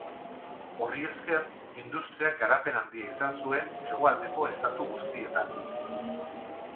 Horri esker industriak garapen handia izan zuen Hegoaldeko estatu guztietan.